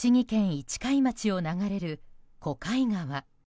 市貝町を流れる小貝川。